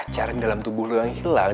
carian dalam tubuh lo yang hilang